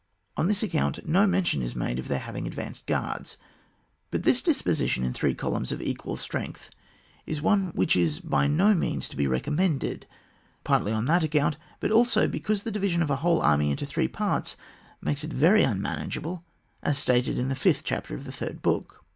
On this account no mention is made of their having had advanced guards. But this disposition in three columns of equal strength is one which is by no means to be recommended, partly on that account, and also because the division of a whole army into three parts makes it very unmanageable, as stated in the fifth chapter of the third book.